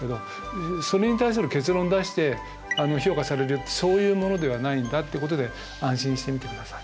それに対する結論出して評価されるそういうものではないんだってことで安心してみてください。